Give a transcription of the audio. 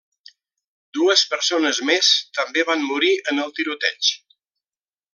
Dues persones més també van morir en el tiroteig.